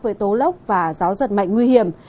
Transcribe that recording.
với tố lốc và gió giật mạnh nguy hiểm